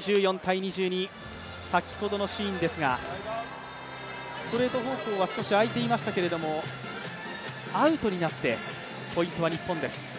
先ほどのシーンですがストレート方向が少しあいていましたけれども、アウトになってポイントは日本です。